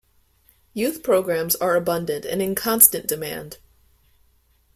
Youth programs are abundant and in constant demand.